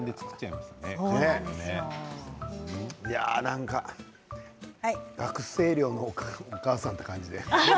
いや、なんか学生寮のお母さんって感じで。